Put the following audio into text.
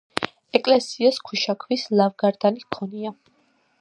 ეკლესიას ქვიშაქვის ლავგარდანი ჰქონია.